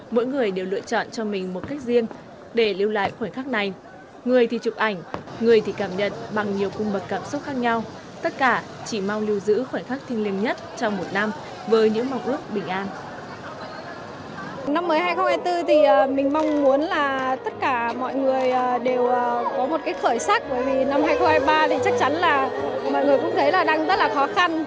mọi người đều có một cái khởi sắc bởi vì năm hai nghìn hai mươi ba thì chắc chắn là mọi người cũng thấy là đang rất là khó khăn